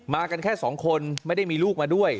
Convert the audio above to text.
กันแค่สองคนไม่ได้มีลูกมาด้วย